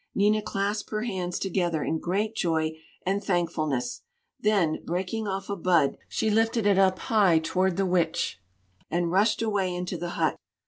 Nina clasped her hands together in great joy and thankfulness; then, breaking off a bud, she lifted it up high toward the Witch and rushed away into the hut.